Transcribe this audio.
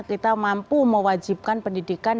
kita mampu mewajibkan pendidikan